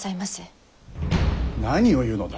何を言うのだ？